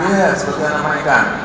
iya sebutkan nama ikan